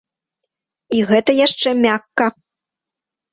І гэта яшчэ мякка.